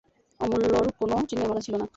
অমূল্যর কোনো চিহ্নই আমার কাছে ছিল না।